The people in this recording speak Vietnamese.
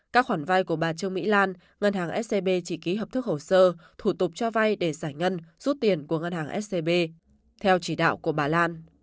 các khoản vay của bà trương mỹ lan ngân hàng scb chỉ ký hợp thức hồ sơ thủ tục cho vay để giải ngân rút tiền của ngân hàng scb theo chỉ đạo của bà lan